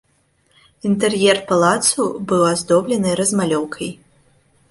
Інтэр'ер палацу быў аздоблены размалёўкай.